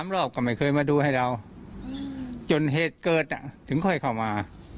๒รอบก็ไม่เคยมาดูให้เราจนเฮดเกิดอ่ะถึงเคยเข้ามา